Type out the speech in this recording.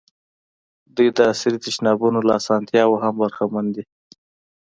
دوی د عصري تشنابونو له اسانتیاوو هم برخمن دي.